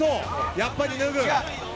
やっぱり脱ぐ。